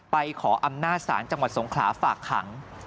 ขออำนาจศาลจังหวัดสงขลาฝากขัง